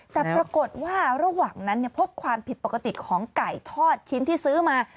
แต่ปรากฏว่าระหว่างนั้นพบความผิดปกติของไก่ทอดชิ้นที่ซื้อมา